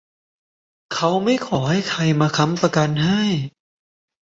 เขาไม่ขอให้ใครมาค้ำประกันให้